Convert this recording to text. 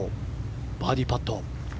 バーディーパット。